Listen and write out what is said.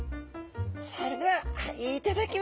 それでは。